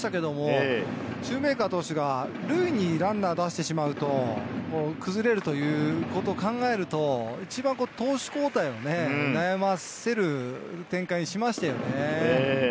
先ほど高橋由伸さんも言いましたけれど、シューメーカー投手が塁にランナーを出してしまうと、崩れるということを考えると、一番投手交代を悩ませる展開にしましたよね。